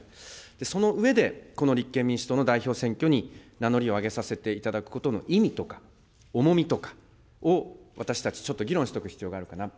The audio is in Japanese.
その上で、この立憲民主党の代表選挙に名乗りを上げさせていただくことの意味とか、重みとかを私たち、ちょっと議論しておく必要があるかなと。